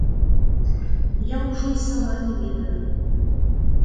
Я ўжо й сама не ведаю.